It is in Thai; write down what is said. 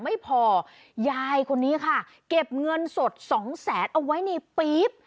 ไม่พอยายคนนี้ค่ะเก็บเงินสดสองแสนเอาไว้ในปี๊บ